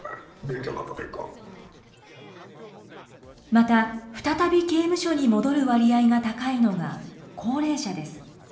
また、再び刑務所に戻る割合が高いのが高齢者です。